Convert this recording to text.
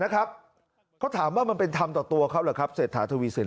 เขาถามว่ามันเป็นธรรมต่อตัวเขาหรือครับเศรษฐาทวีสิน